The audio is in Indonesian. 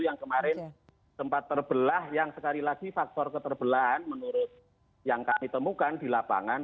yang kemarin sempat terbelah yang sekali lagi faktor keterbelahan menurut yang kami temukan di lapangan